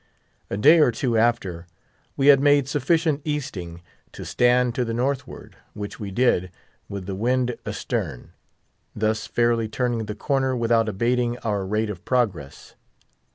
A day or two after, we had made sufficient Easting to stand to the northward, which we did, with the wind astern; thus fairly turning the corner without abating our rate of progress.